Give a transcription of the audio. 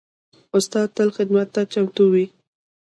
استاد تل خدمت ته چمتو وي.